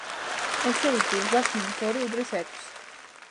ესე იგი, რვას მინუს ორი უდრის ექვსს.